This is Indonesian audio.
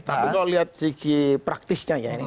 tapi kalau lihat segi praktisnya ya